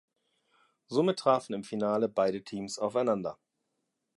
Somit trafen im Finale beide Teams aufeinander.